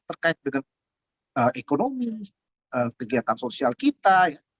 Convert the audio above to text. terkait dengan ekonomi kegiatan sosial kita